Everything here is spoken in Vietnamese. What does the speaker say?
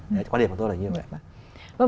đấy là quan điểm của tôi là như vậy